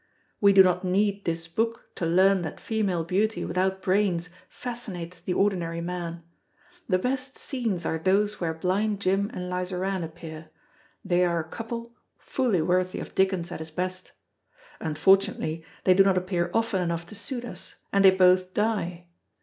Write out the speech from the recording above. We do not need this book to learn that female beauty without brains fascinates the ordinary man. The best scenes are those where Blind Jim and Lizarann appear; they are a couple fully worthy of Dickens at his best. Unfortunately they do not appear often enough to suit us, and they both die.